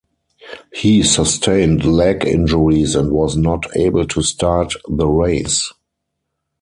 He sustained leg injuries and was not able to start the race.